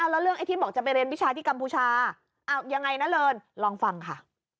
แล้วเรื่องไอ้ที่บอกจะไปเรียนวิชาที่กัมพูชายังไงนะเลินลองฟังค่ะ